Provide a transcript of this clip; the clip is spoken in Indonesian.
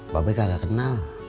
mbak be kagak kenal